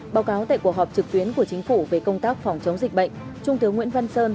báo cáo tại cuộc họp trực tuyến của chính phủ về công tác phòng chống dịch bệnh trung tướng nguyễn văn sơn